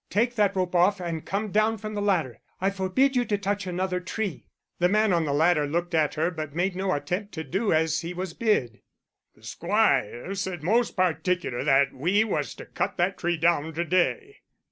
Take that rope off and come down from the ladder. I forbid you to touch another tree." The man on the ladder looked at her, but made no attempt to do as he was bid. "The squire said most particular that we was to cut that tree down to day."